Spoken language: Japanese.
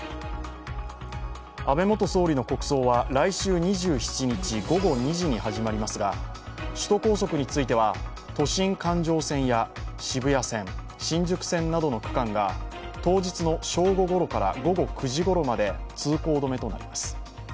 安倍元総理の国葬は来週２７日、午後２時に始まりますが首都高速については都心環状線や渋谷線、新宿線などの区間が当日の正午ごろから午後９時ごろまで通行止めとなります。